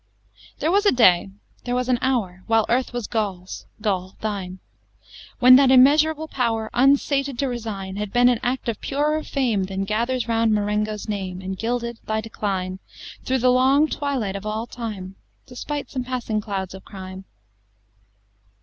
XVII There was a day there was an hour, While earth was Gaul's Gaul thine When that immeasurable power Unsated to resign Had been an act of purer fame Than gathers round Marengo's name, And gilded thy decline, Through the long twilight of all time, Despite some passing clouds of crime.